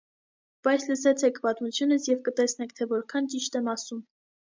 Բայց լսեցեք պատմությունս և կտեսնեք, թե որքան ճիշտ եմ ասում: